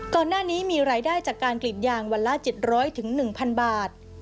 ก่อนหน้านี้มีรายได้จากการกรีดยางวันละ๗๐๐๑๐๐บาท